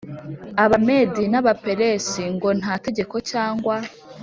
Abamedi n Abaperesi ngo nta tegeko cyangwa